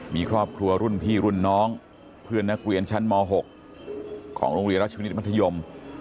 มีครอบครัวรุ่นพี่รุ่นน้องเพื่อนนักเรียนชั้นม๖ของโรงเรียนรัชวินิตมัธยม